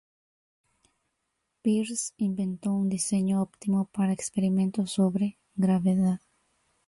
Pierce inventó un diseño óptimo para experimentos sobre gravedad.